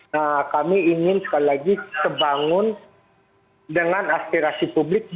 nah kami ingin sekali lagi terbangun dengan aspirasi publik